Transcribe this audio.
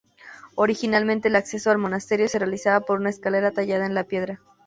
Originalmente, el acceso al monasterio se realizaba por una escalera tallada en la piedra.